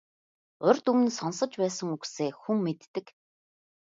Урьд өмнө нь сонсож байсан үгсээ хүн мэддэг.